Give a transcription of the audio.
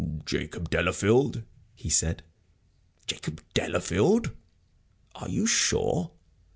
"Jacob Delafield?" he said. "Jacob Delafield? Are you sure?"